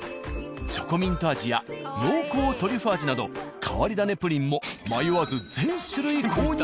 チョコミント味や濃厚トリュフ味など変わり種プリンも迷わず全種類購入。